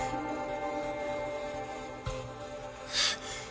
あっ。